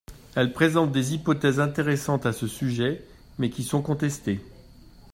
Elle présente des hypothèses intéressantes à ce sujet mais qui sont contestées.